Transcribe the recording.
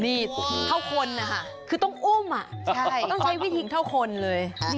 นี่เท่าคนนะคะคือต้องอุ้มต้องใช้วิธีเท่าคนเลย